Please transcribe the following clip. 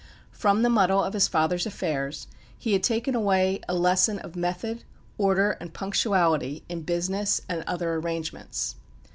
From the muddle of his father's affairs he had taken away a lesson of method, order, and punctuality in business and other arrangements.